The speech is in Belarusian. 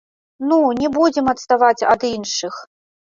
Ну, не будзем адставаць ад іншых!